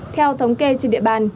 theo thống kê trên địa bàn